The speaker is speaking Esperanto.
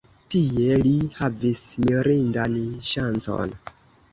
Tie li havis mirindan ŝancon.